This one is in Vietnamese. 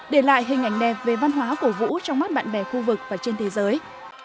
để lại hình ảnh đẹp về văn hóa cổ vũ trong mắt bạn bè khu vực và trên thế giới